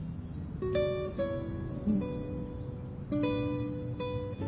うん。